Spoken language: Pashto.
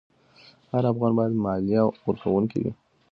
هر افغان باید مالیه ورکوونکی وي.